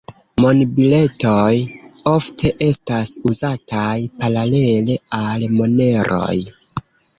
Monbiletoj ofte estas uzataj paralele al moneroj.